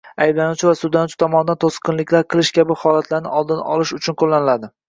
ayblanuvchi va sudlanuvchi tomonidan to‘sqinliklar qilish kabi holatlarni oldini olish uchun qo‘llaniladi.